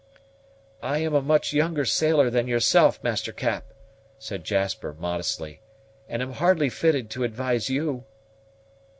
"I am a much younger sailor than yourself, Master Cap," said Jasper modestly, "and am hardly fitted to advise you."